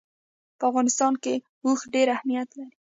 په افغانستان کې اوښ ډېر اهمیت لري.